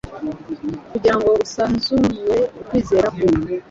Kugira ngo asuzmue ukwizera kwe,